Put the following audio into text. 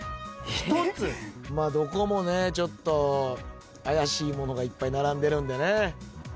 どこもね怪しい物がいっぱい並んでるんでね。